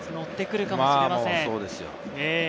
ッてくるかもしれません。